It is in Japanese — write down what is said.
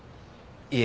いえ。